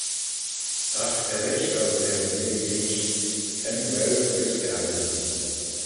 Agh erreish dou v'er n'irree reesht, hem reue gys Galilee.